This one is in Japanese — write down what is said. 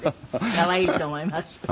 可愛いと思います。